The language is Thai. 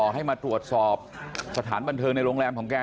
ให้มาตรวจสอบสถานบันเทิงในโรงแรมของแก